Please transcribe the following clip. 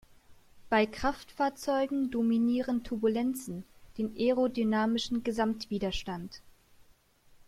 Bei Kraftfahrzeugen dominieren Turbulenzen den aerodynamischen Gesamtwiderstand.